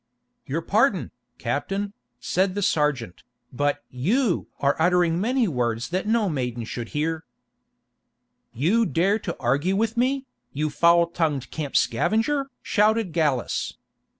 "Your pardon, captain," said the sergeant, "but you are uttering many words that no maiden should hear." "Do you dare to argue with me, you foul tongued camp scavenger?" shouted Gallus.